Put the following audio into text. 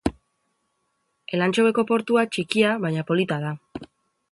Elantxobeko portua txikia baina polita da.